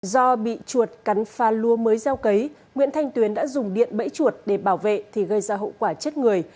do bị chuột cắn pha lúa mới gieo cấy nguyễn thanh tuyến đã dùng điện bẫy chuột để bảo vệ thì gây ra hậu quả chết người